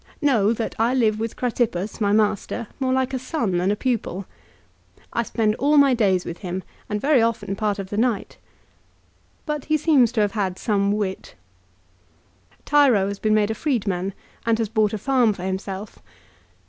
Know that I live with Cratippus, my master, more like a son than a pupil." " I spend all my days with him ; and very often part of the night." But he seems to have had some wit. Tiro has been made a freedman, and has bought a farm for himself.